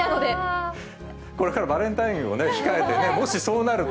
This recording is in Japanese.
これからバレンタインをね、控えてね、もしそうなると。